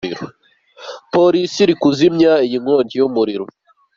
Polisi iri kuzimya iyi nkongi y'umuriro.